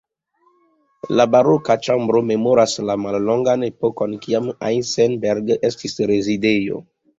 La Baroka ĉambro memoras la mallongan epokon kiam Eisenberg estis rezidejo.